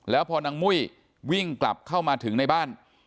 แล้วพอนางมุ้ยวิ่งกลับเข้ามาถึงในบ้าน